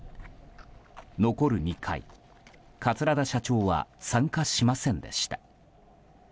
残る２回桂田社長は参加しませんでした。